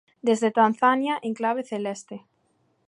Desde Tanzania en clave celeste.